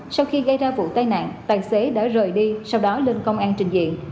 sau khi gây ra vụ tai nạn tài xế đã rời đi sau đó lên công an trình diện